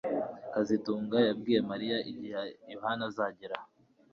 kazitunga yabwiye Mariya igihe Yohana azagera